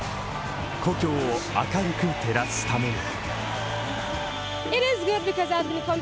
故郷を明るく照らすために。